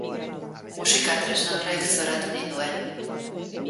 Musika tresna horrek zoratu ninduen.